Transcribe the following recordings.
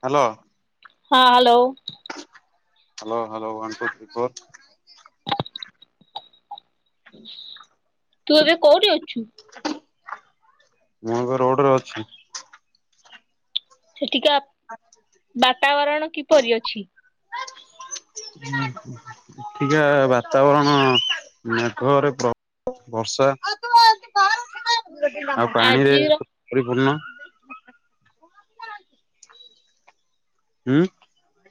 Hello. ହଁ hello. Hello hello one two three four. ତୁ ଏବେ କୋଉଠି ଅଛୁ? ମୁଁ ଏବେ ରୋଡ଼ ରେ ଅଛି। ଆଛା। ତାବରଣ କିପରି ଅଛି? ଏଠିକା ବାତାବରଣ ମେଘରେ ପ୍ର ବର୍ଷା ଆଉ ପାଣିରେ ଆଜିର ପରିପୂର୍ଣ। ହୁଁ।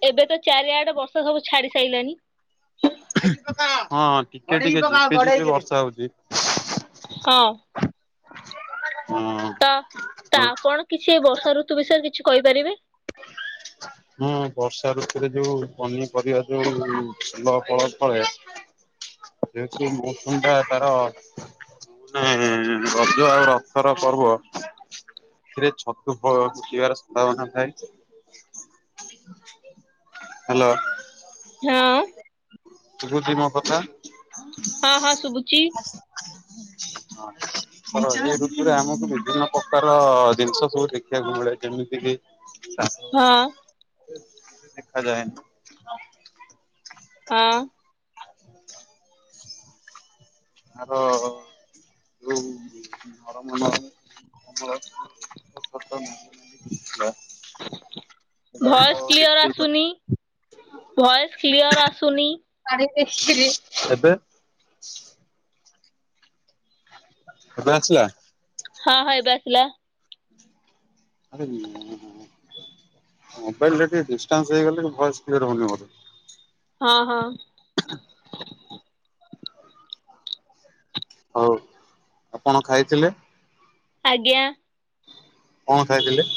ଏବେ ତ ଚାରିଆଡ ବର୍ଷା ସବୁ ଛାଡି ସାଇଲାନି। ହଁ ଟିକେ ଟିକେ ଝିପି ଝିପି ବର୍ଷା ହଉଛି। ହଁ। ତ ହଁ। ତା ଆପଣ କିଛି ବର୍ଷା ଋତୁ ବିଷୟରେ କିଛି କହିପାରିବେ? ହୁ ବର୍ଷା ଋତୁରେ ଯୋଉ ପନିପରିବା ଯୋଉ ଭଲ ଫଳ ଫଳେ ସେ ଯୋଉ ମୌସମ ଟା ତାର ମାନେ ରଜ ଆଉ ରଥର ପର୍ବ ସେଥିରେ ଛତୁ ଫୁଟିବାର ସମ୍ଭବନା ଥାଏ। ହ୍ୟାଲୋ। ହଁ। ଶୁଭୁଚି ମୋ କଥା? ହଁ ହଁ ସୁଭୁଚି। ହଁ ତ ଏଇ ଋତୁରେ ଆମକୁ ବିଭିନ୍ନ ପ୍ରକାର ଜିନିଷ ସବୁ ଦେଖିବାକୁ ମିଳେ ଯେମିତି କିି ହ [inaudible] ହଁ। ଦେଖାଯାଏନି ହଁ। ଏହାର ଯୋଉ ନରମ ନରମ ମୋର କଷ୍ଟ ନୁହଁ ଆଁ ଭଏସ କ୍ଲିୟର ଆସୁନି। ଭଏସ କ୍ଲିୟର ଆସୁନି। ଏବେ? ଏବେ ଆସିଲା? ହଁ ହ ଏବେ ଆସିଲା। ଆ ହ [unintelligible] ମୋବାଇଲରେ ଟିକେ ଡିଷ୍ଟାନ୍ସ ହେଇଗଲେ ଭଏସ କ୍ଲିୟର ହଉନି ମୋର। ହଁ ହଁ। ହଉ କଣ ଖାଇଥିଲେ? ଆଜ୍ଞା। କଣ ଖାଇଥିଲେ?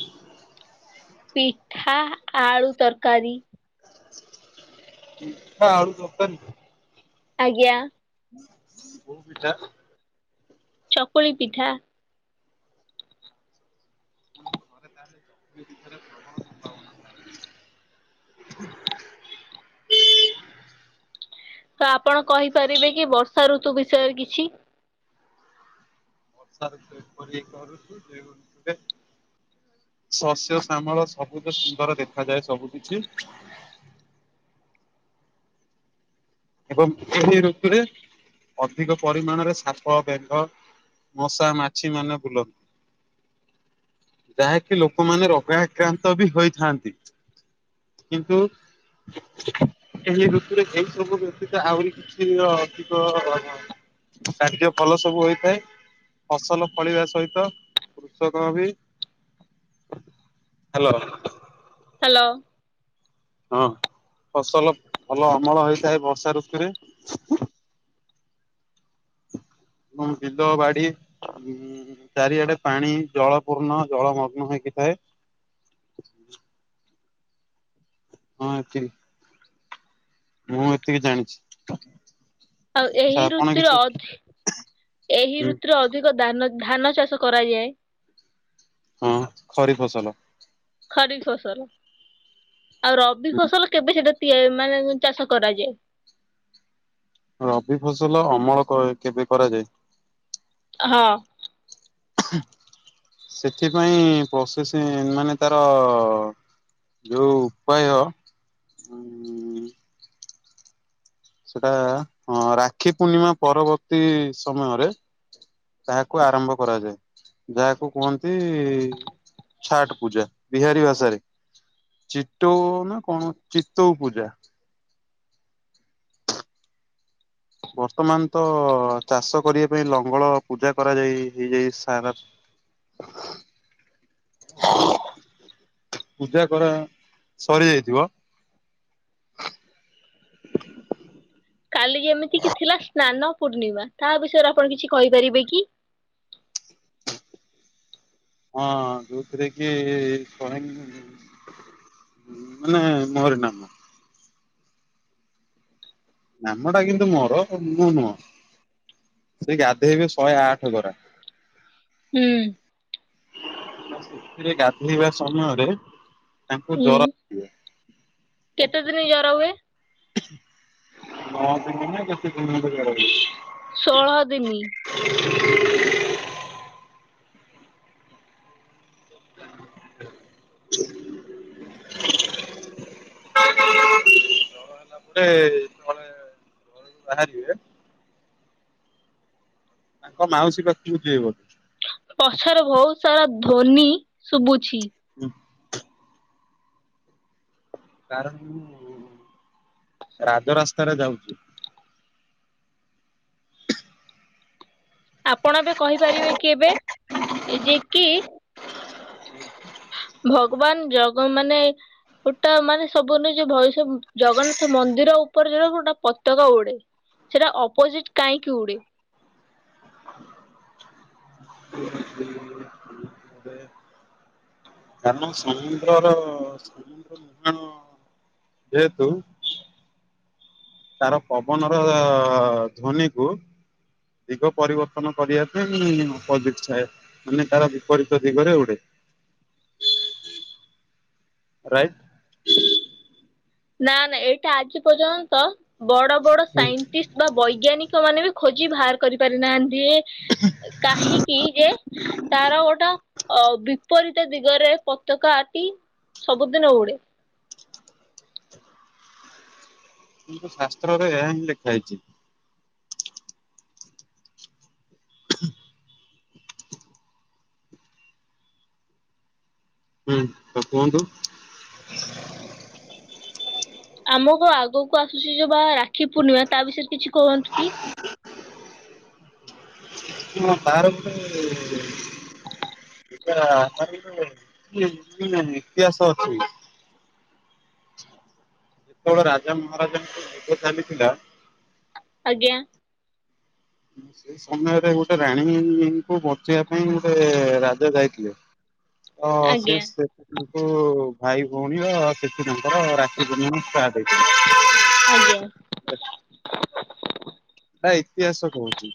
ପିଠା ଆଳୁ ତରକାରୀ। ହଁ ଆଳୁ ତରକାରି? ଆଜ୍ଞା। କୋଉ ପିଠା? ଚକୁଳି ପିଠା। ଘରେ ତାହଲେ ଚ ପ୍ରବ ସମ୍ଭାବନା? ହୁଁ। [inaudible] ତ ଆପଣ କହିପାରିବେ କି ବର୍ଷା ଋତୁ ବିଷୟରେ କିଛି? କରୁଛୁ [unintelligible] ଶସ୍ୟ ଶ୍ୟାମଳ ସବୁଜ ସୁନ୍ଦର ଦେଖାଯାଏ ସବୁ କିିଛି। [unintelligible] ଏବଂ ଏହି ଋତୁରେ ଅଧିକ ପରିମାଣରେ ସାପ ବେଙ୍ଗ ମଶା ମାଛି ମାନେ ବୁଲନ୍ତି। ଯାହାକି ଲୋକମାନେ ରୋଗା ଆକ୍ରାନ୍ତ ବି ହୋଇଥାନ୍ତି। କିନ୍ତୁ ଏହି ଋତରେ ଏହି ସବୁ ଆହୁରି କିଛି ଅଧିକ କାର୍ଯ୍ୟ ଭଲ ସବୁ ହୋଇଥାଏ। ଫସଲ ଫଳିବା ସହିତ କୃଷକ ବି ହ୍ୟାଲୋ। ହ୍ୟାଲୋ। ହଁ ଫସଲ ଭଲ ଅମଳ ହେଇଥାଏ ବର୍ଷା ଋତୁରେ। ହଁ ବିଲ ବାଡି ଚାରିଆଡେ ପାଣି ଜଳ ପୂର୍ଣ୍ଣ ଜଳମଗ୍ନ ହେଇକିଥାଏ। ହ [inaudible] [unintelligible] ମୁଁ ଏତିକି ଜାଣିଛି। ଆଉ ଆଚ୍ଛା ଏହି ଆପଣ ଋତୁରେ କିଛି ଅଧିଏହି ହୁଁ ଋତୁରେ ଅଧିକ ଦାନ ଧାନ ଚାଷ କରାଯାଏ। ହଁ ଖରି ଫସଲ। ଖରି ଫସଲ ଆଉ ରବି ଫସଲ କେବେ ସେଟା? ମାନେ ଚାଷ କରାଯାଏ। ରବି ଫସଲ ଅମଳ ଅ କେବେ କରାଯାଏ? ହ। ସେଥିପାଇଁ ପ୍ରୋସେସିଂ ମାନେ ତାର ଅ ଯୋଉ ଉପାୟ ସେଟା ହଁ ରାକ୍ଷୀ ପୂର୍ଣ୍ଣିମା ପରବର୍ତ୍ତୀ ସମୟରେ ତାହାକୁ ଆରମ୍ଭ କରାଯାଏ ଯାହାକୁ କୁହନ୍ତି ଛାଟ୍ ପୂଜା ବିହାରୀ ଭାଷାରେ। ଚିଟଉ ନା କଣ ଚିତଉ ପୂଜା। ବର୍ତ୍ତମାନ ତ ଚାଷ କରିବା ପାଇଁ ଲଙ୍ଗଳ ପୂଜା କରାଯାଇ ହେଇଯାଇ ସାର [unintelligible] ପୂଜା କରା ସରି ଯାଇଥିବ। [inaudible] କାଲି ଯେମିତି କିି ଥିଲା ସ୍ନାନ ପୂର୍ଣିମା ତା ବିଷୟରେ ଆପଣ କିଛି କହିପାରିବେ କି? ହଁ ଯୋଉଥିରେ କି ମାନେ ମୋରି ନା। ଆମ୍ୱ ଟା କିନ୍ତୁ ମୋର ମୁଁ ନୁହଁ। ସେ ଗାଧୋଇବେ ଶହେ ଆଠ ଗରା। ହୁଁ। ସେଥିରେ ଗାଧୋଇବା ସମୟରେ ତାଙ୍କୁ ଜର ହୁଁ କେତେ ଦିନି ଜର ହୁଏ? [unintelligible] ଷୋହଳ ଦିନି। [inaudible] [inaudible] [inaudible] ରଣ ହେଲା ପରେଳେଣ ବାହାରିବେ। ତାଙ୍କ ମାଉସି ପାଖକୁ ଯିବେବୋଲି। ପସରେ ବହୁତ ସାରା ଧ୍ୱନି ଶୁଭୁଛି। [inaudible] କାର ରାଜ ରାସ୍ତାରେ ଯାଉଛୁ। [inaudible] ଆପଣ ବି କହିପାରିବେ କି ଏବେ ଯେ କି? ଭଗବାନ ଜଗ୍ ମାନେ ଗୋଟା ମାନେ ସବୁ ନିଜ ଭଏସ-ଜଗନ୍ନାଥ ମନ୍ଦିର ଉପରେ ଯ-ଗୋଟା ପତାକା ଉଡେ। ସେଟା ଅପୋଜିଟ କାହିଁକି ଉଡ଼େ? [unintelligible] ହ। କାରଣ ସମୁଦ୍ରର ନିର୍ମାଣ। ଯେହେତୁ ତାର ପବନ ର-ଧ୍ୱନି କୁ ଦିଗ ପରିବର୍ତ୍ତନ କରିବା ପାଇଁ ଅପୋଜିଟ ଥାଏ ମାନେ ତାର ବିପରୀତ ଦିଗରେ ଉଡେ। [inaudible] ରାଇଟ। ନା ନା ଏଇଟା ଆଜି ପର୍ଯ୍ୟନ୍ତ ବଡ ବଡ ସାଇଣ୍ଟିଷ୍ଟ ବା ବୈଜ୍ଞାନିକ୍ ସେମାନେ ବି ଖୋଜି ଭାର କରି ପାରି ନାହାନ୍ ନ୍ତି କାହିଁକି ଯେ ତାର ଗୋଟ ଆଉ ବିପରୀତ ଦିଗରେ ପତକା ଆଟି ସବୁଦିନ ଉଡେ। କିନ୍ତୁ ଶାସ୍ତ୍ରରେ ଏହା ହିଁ ଲେଖା ହେଇଚି। ହୁଁ ତ କୁହନ୍ତୁ। ଆମକୁ ଆଗକୁ ଆସୁଚି ଯୋଉ ପା ରାକ୍ଷୀ ପୂର୍ଣ୍ଣିମା ତା ବିଷୟରେ କିଛି କୁହନ୍ତୁ କି। ହଁ ତାର ବି ସେ ଏଟା ତାର ବି ଗୋଟେ ଉଁ ମାନେ ଇତିହାସ ଅଛି। ଯେତବେଳେ ରାଜା ମହାରାଜାଙ୍କ ଯୁଦ୍ଧ ଚାଲିଥିଲା ଆଜ୍ଞା। ସେ ସମୟରେ ଗୋଟେ ରାଣୀଙ୍କୁ ବଞ୍ଚେଇବା ପାଇଁ ଗୋଟେ ରାଜା ଯାଇଥିଲେ। ତ ସିଏ ଆଜ୍ଞା ସେ [unintelligible] କୁ ଭାଇ ଭୋଉଣୀ ବା [unintelligible] ର ରାକ୍ଷୀ ପୂର୍ଣ୍ଣମୀ ଷ୍ଟାର୍ଟ ଆଜ୍ଞା। ହେଇଚି। ଏଟା ଇତିହାସ କୋହୁଚି।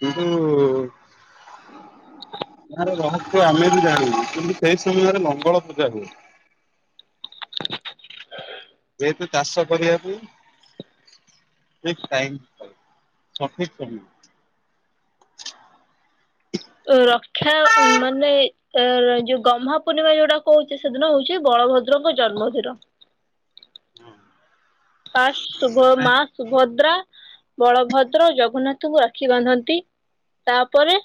କିନ୍ତୁ ତାର ରହସ୍ୟ ଆମେ ବି ଜାଣିନୁ କିନ୍ତୁ ସେଇ ସମୟରେ ଲଙ୍ଗଳ ପୂଜା ହୁଏ। ଯେହେତୁ ଚାଷ କରିବାକୁ ଠିକ୍ ଟାଇମ୍ ଆଉ ସଠିକ ସମୟ। ଅ ରକ୍ଷା ଉଁ ମାନେ ଅ ଯୋଉ ଗହ୍ମା ପୂର୍ଣ୍ଣିମା ଯୋଉଟା କୋହୁଚ ସେଦିନ ହୋଉଚି ବଳ ବଳଭଦ୍ରଙ୍କ ଜନ୍ମଧିର। ହଁ। ଫାର୍ଷ୍ଟ ସୁଭ ମାଆ ସୁଭଦ୍ରା ବଳଭଦ୍ର ଜଗନ୍ନାଥଙ୍କୁ ରାକ୍ଷୀ ବାନ୍ଧନ୍ତି ତାପରେ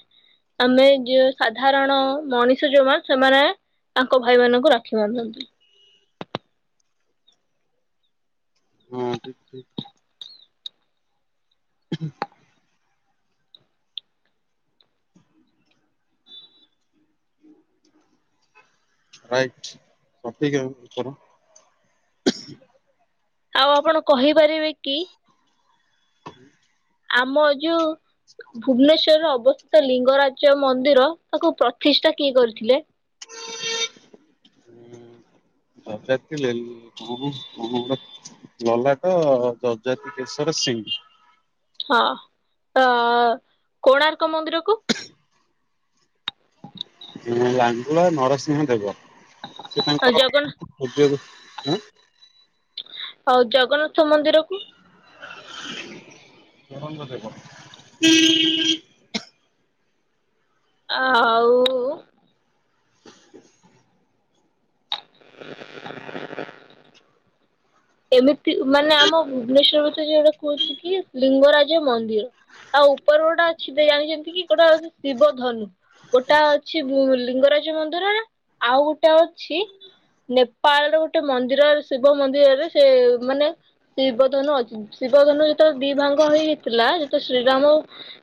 ଆମେ ଯେ ସାଧାରଣ ମଣିଷ ଯୋଉମା ସେମାନେ ତାଙ୍କ ଭାଇମାନଙ୍କୁ ରାକ୍ଷୀ ବାନ୍ଧନ୍ତି। ହଁ ଠିକ ଠିକ। ରାଇଟ୍ ସଠିକ ଆଉ ଉତ୍ତର। ଆଉ ଆପଣ କହିପାରିବେ କି ହୁଁ। ଆମ ଯୋଉ ଭୁବନେଶ୍ଵରରେ ଅବସ୍ତିତ ଲିଙ୍ଗରାଜ ମନ୍ଦିର ତାକୁ ପ୍ରତିଷ୍ଠା କିଏ କରିଥିଲେ? ଏଁ ଅଜାତ ଥିଲେ କଣ କଣ ଗୋଟେ ଲଲାଟ ଯଜାତି କେଶର ସି ସିଂ ହଁ ତ କୋଣାର୍କ ମନ୍ଦିରକୁ? ଲାଙ୍ଗୁଳା ନରସିଂହ ଦେବ। ସେ ତାଙ୍କର ଜଗନ୍ନାଥ ହେବେ ଯେ ଆଁ ଆଉ ଜଗନ୍ନାଥ ମନ୍ଦିରକୁ? ଚୋଡଙ୍ଗ ଦେବ। ଆଉ ଏମିତି ମାନେ ଆମ ଭୁବନେଶ୍ୱରରେ ତ ଯେ ଏଟା କୁହନ୍ତି କି ଲିଙ୍ଗରାଜ୍ ଜ ମନ୍ଦିର ତା ଉପରେ ଗୋଟେ ଅଛି ଦିଆହେଇଚି ଯେମତି କି ଗୋଟେ ହୋଉଚି ଶିବ ଧନୁ। ଗୋଟା ଅଛି ଉଁ ଲିଙ୍ଗରାଜ ମନ୍ଦିରରେ ଆଉ ଗୋଟେ ଅଛି ନେପାଳ ର ଗୋଟେ ମନ୍ଦିର ଶିବ ମନ୍ଦିରରେ ସେ ମାନେ। ଶିବ ଧନୁ ଅଚି ଶିବ ଧନୁ ଯେତେବେଳେ ଦି ଭାଙ୍ଗ ହେଇ ହେଇଥିଲା ଯେତେଳେ ଶ୍ରୀରାମ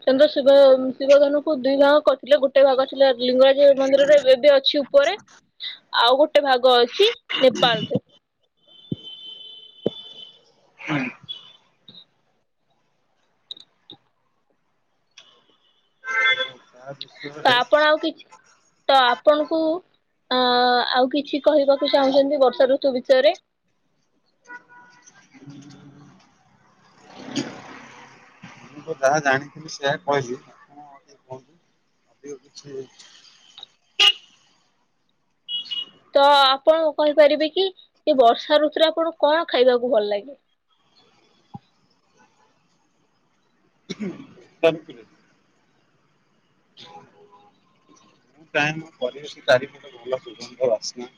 ଚନ୍ଦ୍ର ଶିବ। ଶିବଧନଙ୍କୁ ଦିଇ ଭାଗ କରିଥିଲେ ଗୋଟେ ଭାଗ ଅଥିଲେ ଲିଙ୍ଗରାଜ ମନ୍ଦିରରେ ଏବେ ଅଛି ଉପରେ। ଆଉ ଗୋଟେ ଭାଗ ଅଛି ନେପାଳରେ। ହଁ। ହ ତ ବିଷୁରେ। ଆପଣ ଆଉ କିଛି ତ ଆପଣଙ୍କୁ ଆଁ ଆଉ କିଛି କହିବାକୁ ଚାହୁଁଛନ୍ତି ବର୍ଷା ଋତୁ ବିଷୟରେ? [inaudible] ମୁଁ ତ ଯାହା ଜାଣିଥିଲି ସେ କହିଲି ମୁଁ ଛିଛି ତ ଆପଣ କହିପାରିବେ କି ଏ ବର୍ଷା ଋତୁରେ ଆପଣଙ୍କୁ କଣ ଖାଇବାକୁ ଭଲ ଲାଗେ। [inaudible] [unintelligible] ବ୍ୟାଙ୍କ୍ ଚାରିପଟେ କି ସୁଗନ୍ଧ ବାସନା।